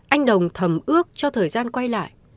anh đồng thầm ước cho thời gian quay lại